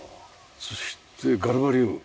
そしてガルバリウム？